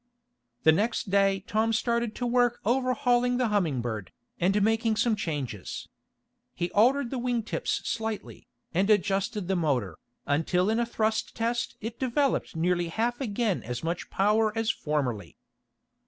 The next day Tom started to work overhauling the Humming Bird, and making some changes. He altered the wing tips slightly, and adjusted the motor, until in a thrust test it developed nearly half again as much power as formerly.